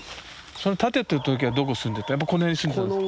その建ててる時はどこ住んでたやっぱこの辺に住んでたんですか？